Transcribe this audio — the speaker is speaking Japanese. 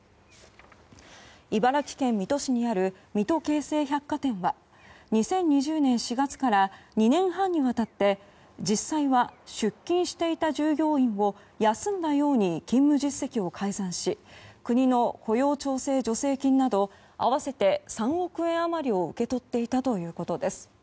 茨城県水戸市にある水戸京成百貨店は２０２０年４月から２年半にわたって実際は出勤していた従業員を休んだように勤務実績を改ざんし国の雇用調整助成金など合わせて３億円余りを受け取っていたということです。